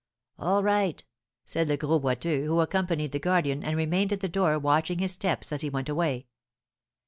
"All right," said Le Gros Boiteux, who accompanied the guardian, and remained at the door watching his steps as he went away.